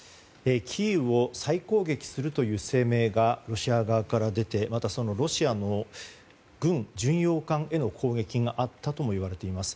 キーウを再攻撃するという声明がロシア側からまた、そのロシアの巡洋艦への攻撃があったといわれています。